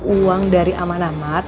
uang dari aman amat